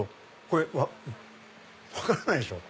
これ分からないでしょ？